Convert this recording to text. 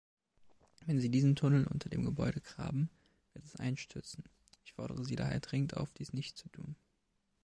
Wenn Sie diesen Tunnel unter dem Gebäude graben, wird es einstürzen. Ich fordere Sie daher dringend auf, dies nicht zu tun.